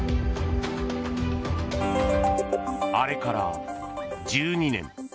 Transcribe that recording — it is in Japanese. あれから１２年。